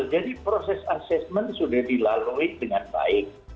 jadi proses assessment sudah dilalui dengan baik